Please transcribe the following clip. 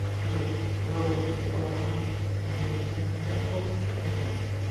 Qiziq, ular o`rtasidagi aloqani bilganingda qanday ahvolga tushgan ekansan